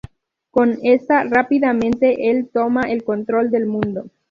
Con esta, rápidamente el toma el control del mundo.